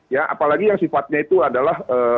ya apalagi yang sifatnya itu adalah